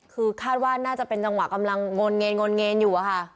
คือคาดว่าน่าจะเป็นจังหวะกำลังงนเงนอยู่อะค่ะ